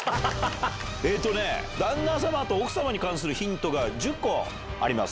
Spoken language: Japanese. えーっとね、旦那様と奥様に関するヒントが１０個あります。